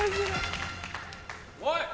・おい！